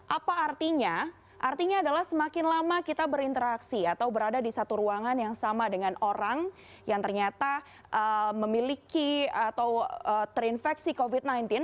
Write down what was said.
apa artinya artinya adalah semakin lama kita berinteraksi atau berada di satu ruangan yang sama dengan orang yang ternyata memiliki atau terinfeksi covid sembilan belas